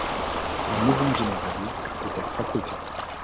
La maison généralice est à Cracovie.